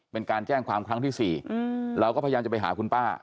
เป็นการแจ้งความครั้งที่๔เราก็พยายามจะไปหาคุณป้า